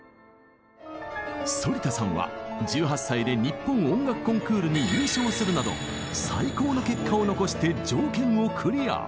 反田さんは１８歳で日本音楽コンクールに優勝するなど最高の結果を残して条件をクリア。